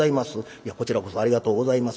「いやこちらこそありがとうございます」。